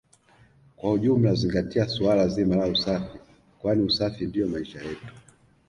Kwa ujumla zingatia suala zima la usafi kwani usafi ndio maisha yetu